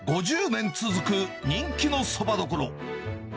５０年続く人気のそばどころ。